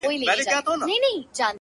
o په بوتلونو شـــــراب ماڅښلي ـ